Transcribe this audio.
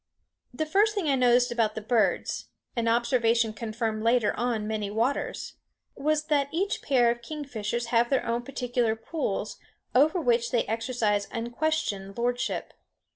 The first thing I noticed about the birds an observation confirmed later on many waters was that each pair of kingfishers have their own particular pools, over which they exercise unquestioned lordship.